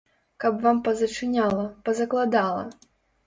Каб вам пазачыняла, пазакладала!